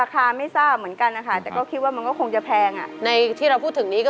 สวัสดีครับ